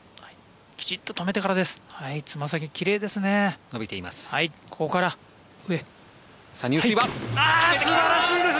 きちっと止めてからです。